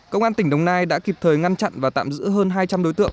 công an tỉnh đồng nai đã kịp thời ngăn chặn và tạm giữ hơn hai trăm linh đối tượng